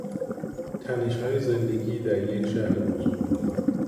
تنشهای زندگی در یک شهر بزرگ